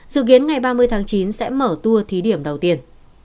dự kiến ngày ba mươi tháng chín sẽ mở tour thí điểm đầu tiên